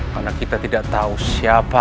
karena kita tidak tahu siapa lawan